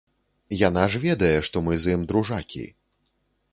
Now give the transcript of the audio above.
Яна ж ведае, што мы з ім дружакі.